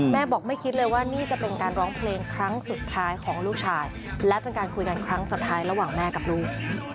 แม่บอกไม่คิดเลยว่านี่จะเป็นการร้องเพลงครั้งสุดท้ายของลูกชายและเป็นการคุยกันครั้งสุดท้ายระหว่างแม่กับลูก